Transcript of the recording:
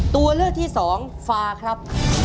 ตัวเลือกที่สองฟาครับ